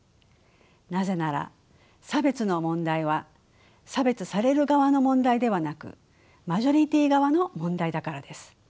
なぜなら差別の問題は差別される側の問題ではなくマジョリティー側の問題だからです。